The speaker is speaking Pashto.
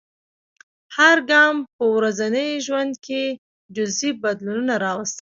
هر ګام په ورځني ژوند کې جزیي بدلونونه راوستل.